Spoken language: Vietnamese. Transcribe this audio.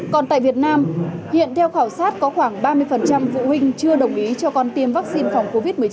còn tại việt nam hiện theo khảo sát có khoảng ba mươi phụ huynh chưa đồng ý cho con tiêm vaccine phòng covid một mươi chín